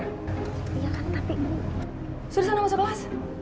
iya kan tapi ini sudah sama sekolah